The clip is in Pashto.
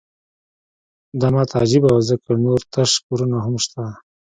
دا ماته عجیبه وه ځکه نور تش کورونه هم شته